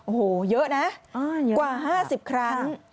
โอ้โหเยอะนะกว่า๕๐ครั้ง